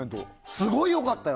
すごい良かったよ！